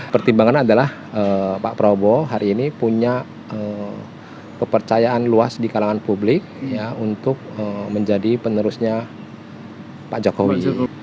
pertimbangan adalah pak prabowo hari ini punya kepercayaan luas di kalangan publik untuk menjadi penerusnya pak jokowi